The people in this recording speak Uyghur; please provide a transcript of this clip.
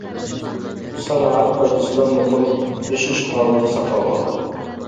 سانائەت پايدىسىدا مۇقىم ئېشىش ھالىتى ساقلانغان.